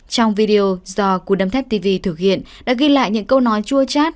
trong video do cú đâm thép tv thực hiện đã ghi lại những câu nói chua chát